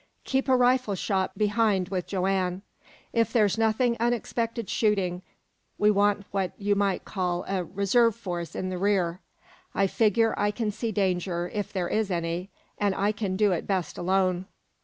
Keep a rifle shot behind with Joanne. If there's unexpected shooting, we want what you might call a reserve force in the rear. I figger I can see danger, if there is any, an' I can do it best alone."